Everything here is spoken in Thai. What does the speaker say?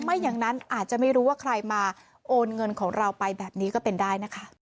ไม่อย่างนั้นอาจจะไม่รู้ว่าใครมาโอนเงินของเราไปแบบนี้ก็เป็นได้นะคะ